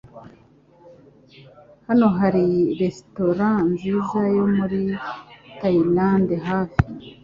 Hano hari resitora nziza yo muri Tayilande hafi.